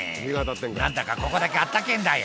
「何だかここだけ暖けぇんだよ」